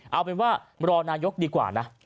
เอาเป็นว่ารอนายกดีกว่านะ